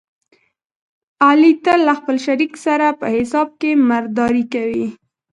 علي تل له خپل شریک سره په حساب کې مردارې کوي.